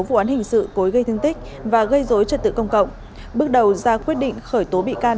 vụ án hình sự cố ý gây thương tích và gây dối trật tự công cộng bước đầu ra quyết định khởi tố bị can